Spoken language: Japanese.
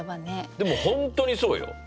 でも本当にそうよ。